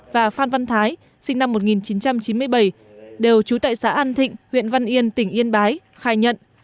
và phan văn thái sinh năm một nghìn chín trăm chín mươi bảy đều trú tại xã an thịnh huyện văn yên tỉnh yên bái khai nhận